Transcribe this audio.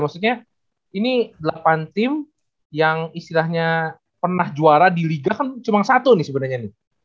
maksudnya ini delapan tim yang istilahnya pernah juara di liga kan cuma satu nih sebenarnya nih